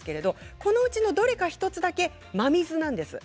このうちどれか１つだけ真水です。